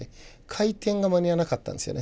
回転が間に合わなかったんですよね。